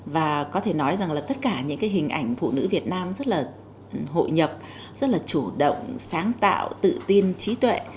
và có thể nói rằng là tất cả những cái hình ảnh phụ nữ việt nam rất là hội nhập rất là chủ động sáng tạo tự tin trí tuệ